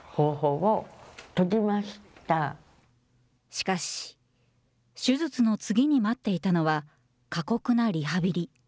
しかし、手術の次に待っていたのは、過酷なリハビリ。